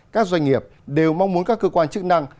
các doanh nghiệp đều mong muốn các cơ quan chức năng